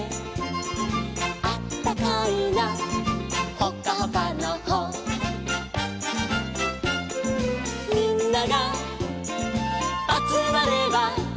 「ほっかほかのほ」「みんながあつまれば」